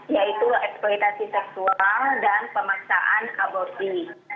yang pertama yaitu